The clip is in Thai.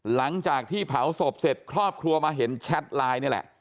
หลังจากที่เผาศพเสร็จครอบครัวมาเห็นแชทไลน์นี่แหละ